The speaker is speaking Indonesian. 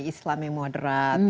islam yang moderat